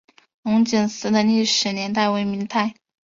龙井寺的历史年代为明代。